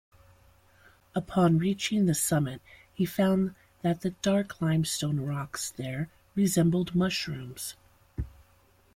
Upon reaching the summit, he found that the dark limestone rocks there resembled mushrooms.